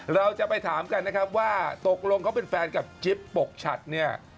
เราจะไปถามกันนะครับว่าตกลงเขาเป็นแฟนกับจิ๊บปกฉัดเนี่ย